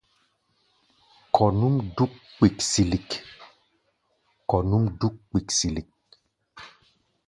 Kɔ̧ núʼm dúk kpiksilik.